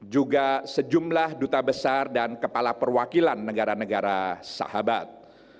juga sejumlah duta besar dan kepala perwakilan negara negara sahabat